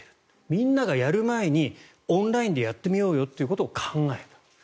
みんながやる前にオンラインでやってみようよってことを考える。